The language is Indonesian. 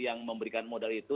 yang memberikan modal itu